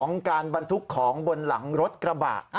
ของการบรรทุกของบนหลังรถกระบะ